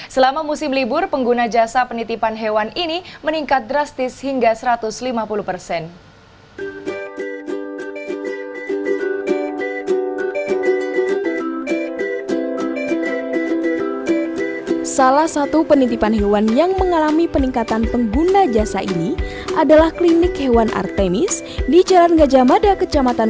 selama musim libur pengguna jasa penitipan hewan ini meningkat drastis hingga satu ratus lima puluh persen